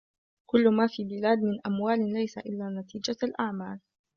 كل ما في البلاد من أموال ليس إلا نتيجة الأعمال